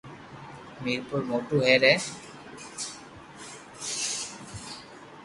ميرپور موٽو ھير ھي